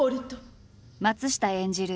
松下演じる